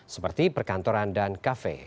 seperti perkantoran dan kafe